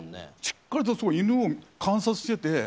しっかりとイヌを観察してて。